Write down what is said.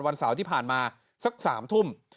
วันเสาร์ที่ผ่านมาสัก๓ทุ่ม